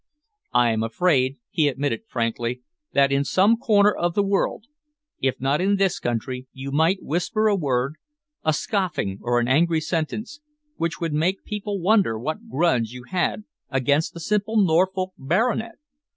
"I am afraid," he admitted frankly, "that in some corner of the world, if not in this country, you might whisper a word, a scoffing or an angry sentence, which would make people wonder what grudge you had against a simple Norfolk baronet.